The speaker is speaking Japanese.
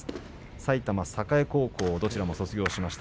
埼玉栄高校をどちらも卒業しました。